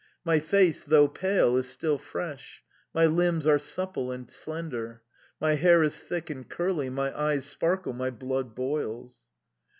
My face, though pale, is still fresh; my limbs are supple and slender; my hair is thick and curly, my eyes sparkle, my blood boils...